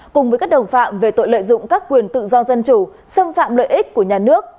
cùng với các đồng phạm về tội lợi dụng các quyền tự do dân chủ xâm phạm lợi ích của nhà nước